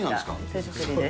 手作りです。